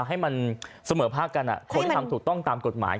ให้มันเสมอภาพที่ถูกต้องตามกฎหมาย